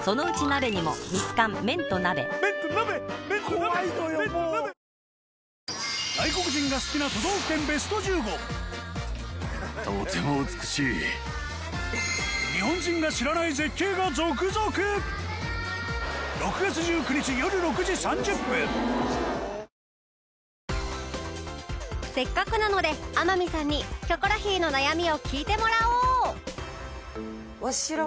うまダブルなんでせっかくなので天海さんにキョコロヒーの悩みを聞いてもらおう！